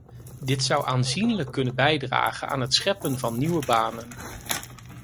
Dit zou aanzienlijk kunnen bijdragen aan het scheppen van nieuwe banen.